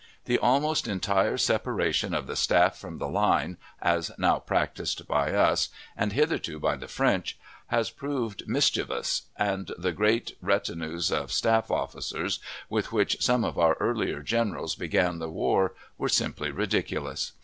The almost entire separation of the staff from the line, as now practised by us, and hitherto by the French, has proved mischievous, and the great retinues of staff officers with which some of our earlier generals began the war were simply ridiculous.